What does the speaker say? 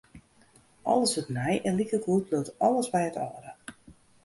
Alles wurdt nij en likegoed bliuwt alles by it âlde.